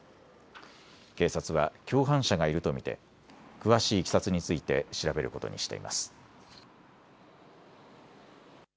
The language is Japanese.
警察は共犯者がいると見て詳しいいきさつについて調べることにしています。